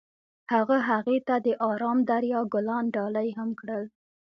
هغه هغې ته د آرام دریا ګلان ډالۍ هم کړل.